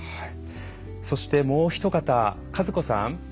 そして、もうお一方、和子さん。